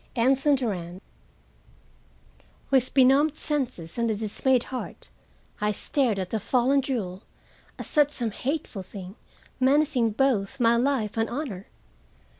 III. ANSON DURAND With benumbed senses and a dismayed heart, I stared at the fallen jewel as at some hateful thing menacing both my life and honor.